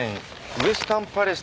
ウエスタンパレス？